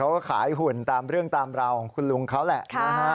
ขายหุ่นตามเรื่องตามราวของคุณลุงเขาแหละนะฮะ